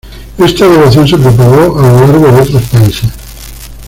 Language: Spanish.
Esta devoción se propagó a lo largo de otros países.